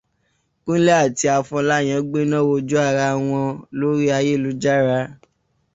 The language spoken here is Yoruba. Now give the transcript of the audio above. Kúnlé àti Afọláyan gbéná wojú ara wọn lórí ayélujára.